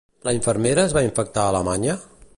La infermera es va infectar a Alemanya?